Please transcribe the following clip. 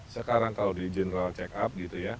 sekarang kalau di general check up